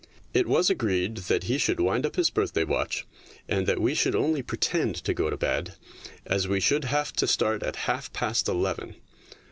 It was agreed that he should wind up his birthday watch and that we should only pretend to go to bed, as we should have to start at half past eleven.